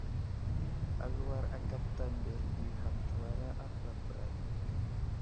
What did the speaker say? Aluwar akaɗta mbele ɗi ham təwara a huraɗ bəra ge.